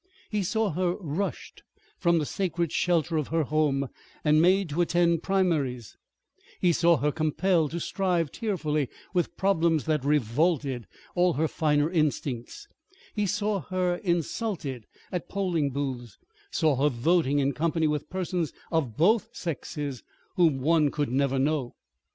He saw her rushed from the sacred shelter of her home and made to attend primaries; he saw her compelled to strive tearfully with problems that revolted all her finer instincts; he saw her insulted at polling booths; saw her voting in company with persons of both sexes whom one could never know.